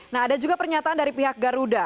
nah ada juga pernyataan dari pihak garuda